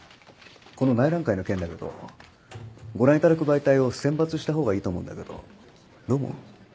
この内覧会の件だけどご覧いただく媒体を選抜した方がいいと思うんだけどどう思う？